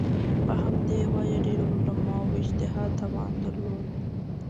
په همدې وجه ډېرو عالمانو اجتهاد توان درلود